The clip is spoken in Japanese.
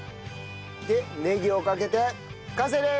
でネギをかけて完成です！